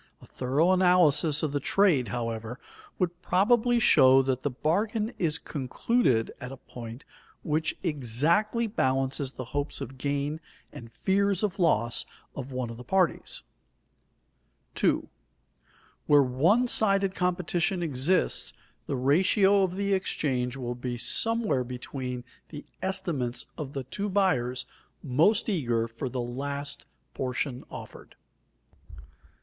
A thorough analysis of the trade, however, would probably show that the bargain is concluded at a point which exactly balances the hopes of gain and fears of loss of one of the parties. [Sidenote: Competitive bidding narrows the limits of price] 2. _Where one sided competition exists, the ratio of the exchange will be somewhere between the estimates of the two buyers most eager for the last portion offered_.